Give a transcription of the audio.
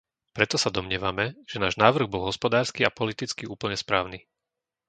Preto sa domnievame, že náš návrh bol hospodársky a politicky úplne správny.